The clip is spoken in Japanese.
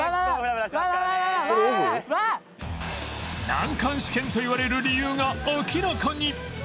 難関試験といわれる理由が明らかに